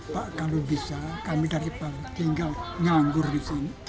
pak kalau bisa kami dari pak tinggal nganggur di sini